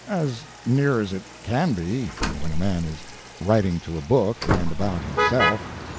"As near as it can be—when a man is writing to a book and about himself.